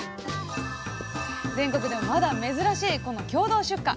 全国でもまだ珍しいこの共同出荷。